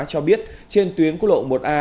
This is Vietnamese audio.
cho biết trên tuyến cuối lộ một a